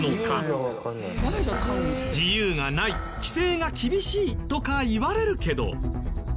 自由がない規制が厳しいとかいわれるけど。